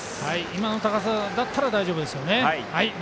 今の高さだったら大丈夫ですよね。